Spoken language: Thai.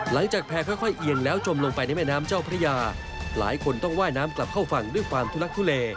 แพรค่อยเอียงแล้วจมลงไปในแม่น้ำเจ้าพระยาหลายคนต้องว่ายน้ำกลับเข้าฝั่งด้วยความทุลักทุเล